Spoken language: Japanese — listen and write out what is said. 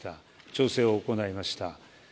調整を行いました。